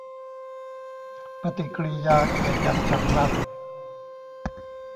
ปฏิกริยาเกิดอย่างฉับพลัน